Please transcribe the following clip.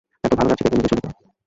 এত ভালো যাচ্ছে দেখে নিজেও শঙ্কিত।